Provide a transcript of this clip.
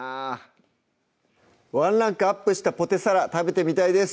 ワンランクアップしたポテサラ食べてみたいです